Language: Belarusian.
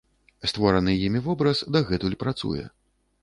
Створаны імі вобраз дагэтуль працуе.